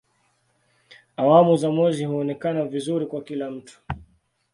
Awamu za mwezi huonekana vizuri kwa kila mtu.